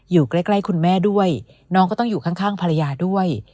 อยู่ใกล้คุณแม่ด้วยน้องก็ต้องอยู่ข้างภรรยาด้วย